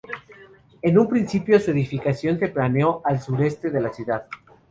En un principio, su edificación se planeó al sureste de la ciudad.